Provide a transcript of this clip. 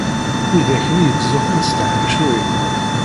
Widak-nni yettzuxxun s tɛencurin.